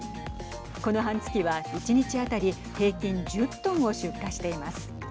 この半月は１日当たり平均１０トンも出荷しています。